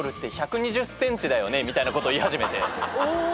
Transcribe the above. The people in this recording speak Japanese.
みたいなことを言い始めて。